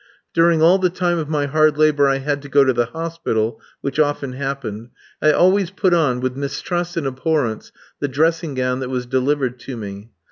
During all the time of my hard labour I had to go to the hospital, which often happened, I always put on, with mistrust and abhorrence, the dressing gown that was delivered to me.